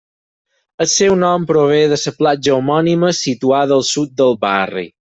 El seu nom prové de la platja homònima situada al sud del barri.